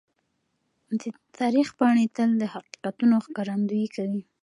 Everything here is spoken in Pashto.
د تاریخ پاڼې تل د حقیقتونو ښکارندويي کوي.